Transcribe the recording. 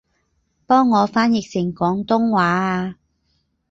幫我翻譯成廣東話吖